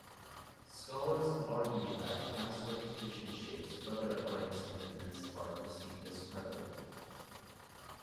Scholars have argued that past reputation shapes whether alliance commitments are perceived as credible.